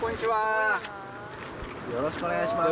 よろしくお願いします。